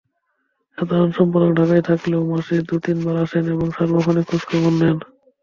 সাধারণ সম্পাদক ঢাকায় থাকলেও মাসে দু-তিনবার আসেন এবং সার্বক্ষণিক খোঁজখবর নেন।